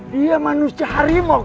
dia manusia harimau g